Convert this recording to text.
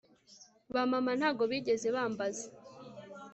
ba mama ntago bigeze bambaza